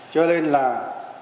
cho nên là chưa chứng minh